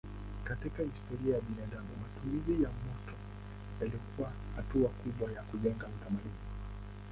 Katika historia ya binadamu matumizi ya moto yalikuwa hatua kubwa ya kujenga utamaduni.